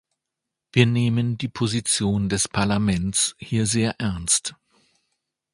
Wir nehmen die Position des Parlaments hier sehr ernst.